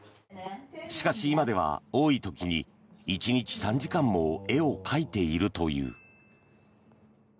しかし今では多い時に１日３時間も絵を描いているという。